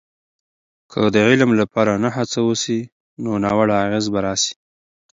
که د علم لپاره نه هڅه وسي، نو ناوړه اغیزې به راسي.